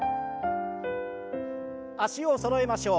脚をそろえましょう。